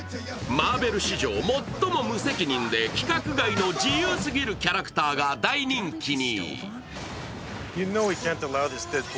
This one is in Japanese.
マーベル史上最も無責任で規格外すぎるキャラクターが大人気に。